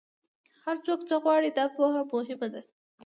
هر څوک څه غواړي، دا پوهه مهمه ده.